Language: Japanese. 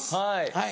はい。